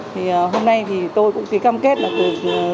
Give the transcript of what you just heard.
thì hôm nay thì tôi cũng ký cam kết là